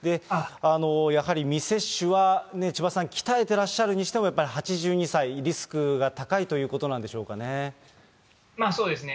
やはり未接種は、千葉さん、鍛えていらっしゃるにしても８２歳、リスクが高いということなんまあ、そうですね。